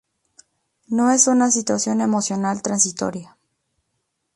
No es una situación emocional transitoria.